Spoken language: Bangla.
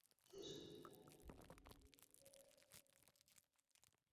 বাহিনীর সাদা পতাকার বাহক ছিলেন হামজা ইবনে আবদুল মুত্তালিব।